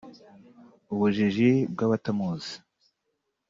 Ubujiji bw’abatamuzi